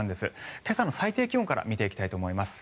今朝の最低気温から見ていきたいと思います。